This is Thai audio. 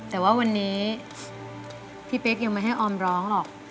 แต่ว่าวันนี้พี่เป๊กยังไม่ให้ออมร้องหรอก